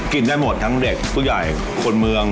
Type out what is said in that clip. ได้หมดทั้งเด็กผู้ใหญ่คนเมือง